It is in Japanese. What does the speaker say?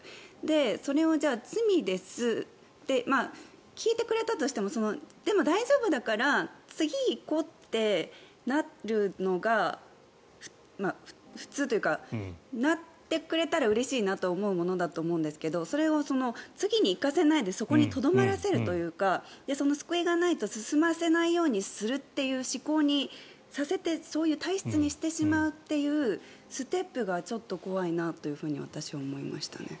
それを罪ですって聞いてくれたとしてもでも、大丈夫だから次、行こうってなるのが普通というかなってくれたらうれしいなと思うものだと思うんですけどそれを次に行かせないでそこにとどまらせるというかその救いがないと進ませないようにするという思考にさせてそういう体質にしてしまうというステップがちょっと怖いなと私は思いましたね。